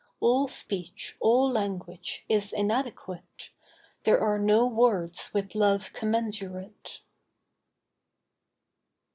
All speech, all language, is inadequate, There are no words with Love commensurate.